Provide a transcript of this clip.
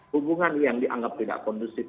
hubungan yang dianggap tidak kondusif